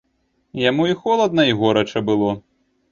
Яму і холадна і горача было.